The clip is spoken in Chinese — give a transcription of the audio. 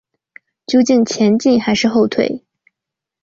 究竟前进还是后退？